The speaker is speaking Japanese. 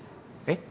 えっ？